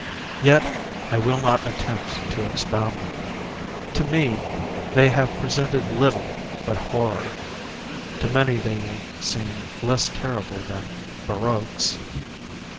Yet I will not attempt to expound them. To me, they have presented little but horror—to many they will seem less terrible than barroques.